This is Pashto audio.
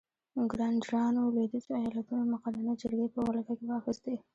ګرانجرانو لوېدیځو ایالتونو مقننه جرګې په ولکه کې واخیستې.